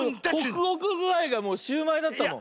ホクホクぐあいがもうシューマイだったもん。